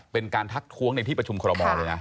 เป็นการทักท้วงในที่ประชุมคอรมอลเลยนะ